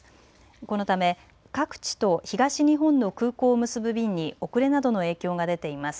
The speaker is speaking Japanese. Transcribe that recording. このため各地と東日本の空港を結ぶ便に遅れなどの影響が出ています。